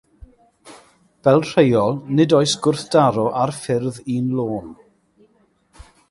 Fel rheol, nid oes gwrthdaro ar ffyrdd un lôn.